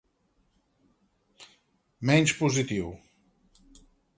Menys positiu.